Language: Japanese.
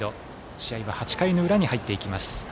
試合は８回の裏に入っていきます。